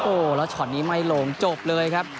โอ้โหแล้วช็อตนี้ไม่ลงจบเลยครับ